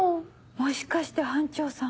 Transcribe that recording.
もしかして班長さん